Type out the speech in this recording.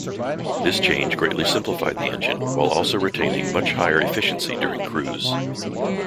This change greatly simplified the engine, while also retaining much higher efficiency during cruise.